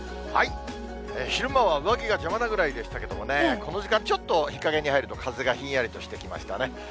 昼間は上着が邪魔なぐらいでしたけど、この時間、ちょっと日陰に入ると、風がひんやりとしてきましたね。